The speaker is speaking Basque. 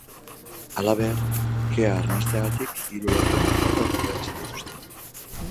Halaber, kea arnasteagatik hiru lagun artatu behar izan dituzte.